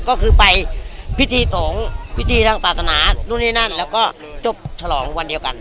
ก็คือไปพิธีสงฆ์พิธีทางศาสนานู่นนี่นั่นแล้วก็จบฉลองวันเดียวกัน